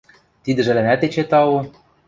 — Тидӹжӹлӓнӓт эче тау.